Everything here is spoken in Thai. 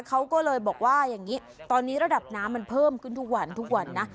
เขาก็เลยบอกว่าอย่างนี้ตอนนี้ระดับน้ำมันเพิ่มขึ้นทุกวันทุกวันนะ